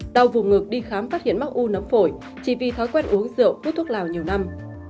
đầu vùng ngược đi khám phát hiện mắc u nấm phổi chỉ vì thói quen uống rượu uống thuốc lào nhiều năm